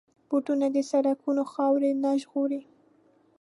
بوټونه د سړکونو خاورې نه ژغوري.